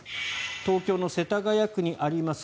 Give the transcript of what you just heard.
東京の世田谷区にあります